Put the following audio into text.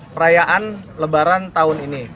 perayaan lebaran tahun ini